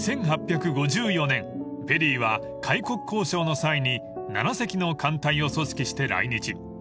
［１８５４年ペリーは開国交渉の際に７隻の艦隊を組織して来日］